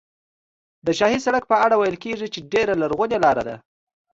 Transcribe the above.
د شاهي سړک په اړه ویل کېږي چې ډېره لرغونې لاره ده.